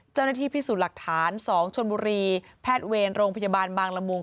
เจ้าหน้าที่พิสูจน์หลักฐาน๒ชนบุรีแพทย์เวรโรงพยาบาลบางละมุง